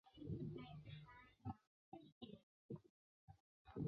现时温和民主派的协调及对外组织是民主派会议。